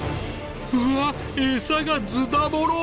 うわっエサがズタボロ。